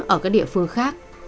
ở các địa phương khác